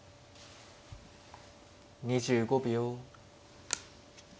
２５秒。